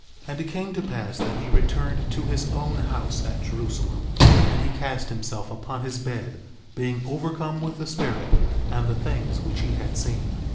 1:7 And it came to pass that he returned to his own house at Jerusalem; and he cast himself upon his bed, being overcome with the Spirit and the things which he had seen.